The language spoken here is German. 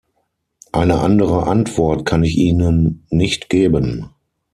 Eine andere Antwort kann ich Ihnen nicht geben.